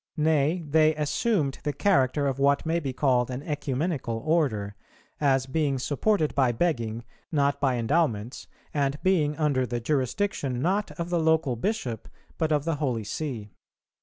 Nay, they assumed the character of what may be called an Ecumenical Order, as being supported by begging, not by endowments, and being under the jurisdiction, not of the local Bishop, but of the Holy See.